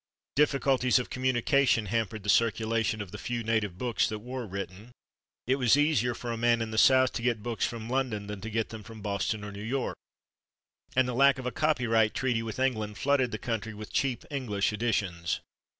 Difficulties of communication hampered the circulation of the few native books that were written; it was easier for a man in the South to get books from London than to get them from Boston or New York, and the lack of a copyright treaty with England flooded the country with cheap English editions.